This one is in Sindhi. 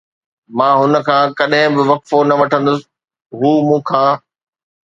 مان هن کان ڪڏهن به وقفو نه وٺندس، هو مون کان